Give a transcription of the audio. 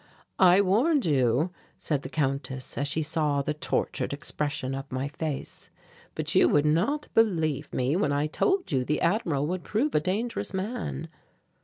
"I warned you," said the Countess as she saw the tortured expression of my face, "but you would not believe me, when I told you the Admiral would prove a dangerous man."